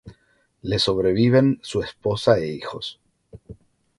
Le sobreviven su esposa e hijos.